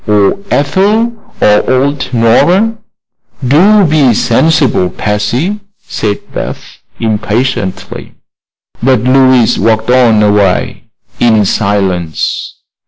Or Ethel; or old Nora?" "Do be sensible, Patsy," said Beth, impatiently. But Louise walked on a way in silence.